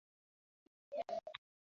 তিনি যাহাকে ইচ্ছা করেন, সেই তাঁহাকে লাভ করে।